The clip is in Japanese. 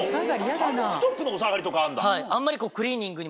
タンクトップのお下がりとかあるんだ？